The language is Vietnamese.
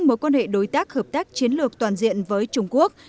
mối quan hệ đối tác hợp tác chiến lược toàn diện với trung quốc